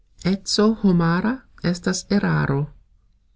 Eco homara estas eraro.